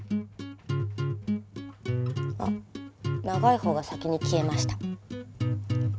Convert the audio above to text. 長い方が先に消えました。